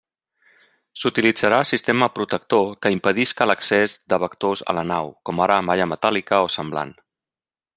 S'utilitzarà sistema protector que impedisca l'accés de vectors a la nau, com ara malla metàl·lica o semblant.